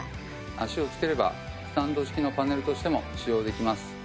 脚をつければスタンド式のパネルとしても使用できます。